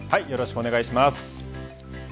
よろしくお願いします。